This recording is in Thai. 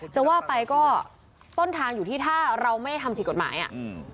จะว่าไปก็ต้นทางอยู่ที่ถ้าเราไม่ทำผิดกฎหมาย